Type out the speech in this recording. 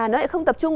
nó lại không tập trung